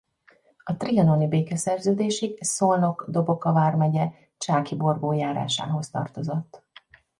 A trianoni békeszerződésig Szolnok-Doboka vármegye Csákigorbó járásához tartozott.